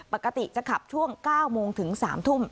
ปกติจะขับช่วง๙โมงถึง๓ทุ่ม